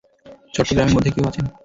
চট্টগ্রামের মধ্যে কেউ আছেন?